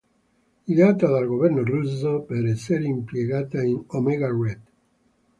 Ideata dal governo russo, per essere impiantata in Omega Red.